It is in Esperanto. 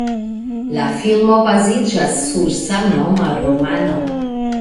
La filmo baziĝas sur samnoma romano.